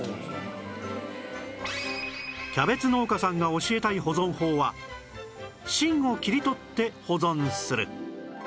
キャベツ農家さんが教えたい保存法は芯を切り取って保存する